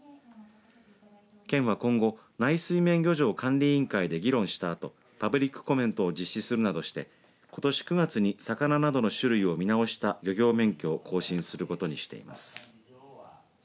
県は今後内水面漁場管理委員会で議論したあとパブリックコメントを実施するなどしてことし９月に魚などの種類を見直した漁業免許を更新することにしています。